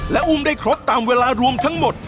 และอุ้มได้ครบตามเวลารวมทั้งหมด